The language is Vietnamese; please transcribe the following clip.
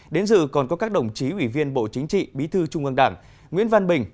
đến dự còn có các đồng chí ủy viên bộ chính trị bí thư trung ương đảng nguyễn văn bình